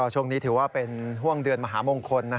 ช่วงนี้ถือว่าเป็นห่วงเดือนมหามงคล